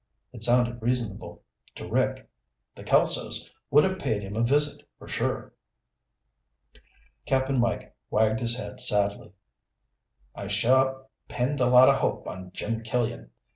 It sounded reasonable to Rick. "The Kelsos would have paid him a visit for sure." Cap'n Mike wagged his head sadly. "I sure pinned a lot of hope on Jim Killian.